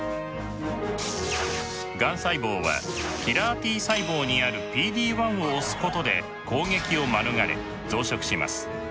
がん細胞はキラーＴ細胞にあるＰＤ−１を押すことで攻撃を免れ増殖します。